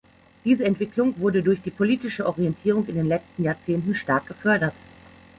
Diese Entwicklung wurde durch die politische Orientierung in den letzten Jahrzehnten stark gefördert.